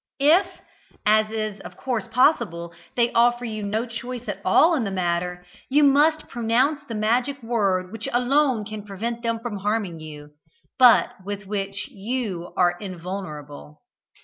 If (as is of course possible) they offer you no choice at all in the matter, you must pronounce the magic word which alone can prevent them harming you, but with which you are invulnerable."